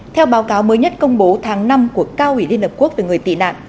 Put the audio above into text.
theo báo cáo mới nhất công bố tháng năm của cao ủy liên hợp quốc về người tị nạn